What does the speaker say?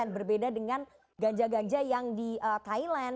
berbeda dengan ganja ganja yang di thailand